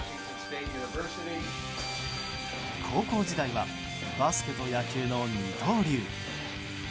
高校時代はバスケと野球の二刀流。